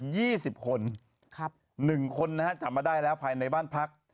จาก๒๐คน๑คนจับมาได้แล้วภายในบ้านพัก